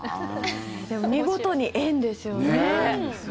でも見事に「円」ですよね。